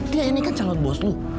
dia ini kan calon bos lu